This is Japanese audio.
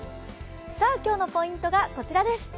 今日のポイントがこちらです。